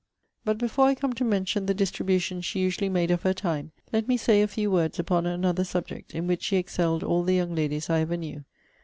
But before I come to mention the distribution she usually made of her time, let me say a few words upon another subject, in which she excelled all the young ladies I ever knew.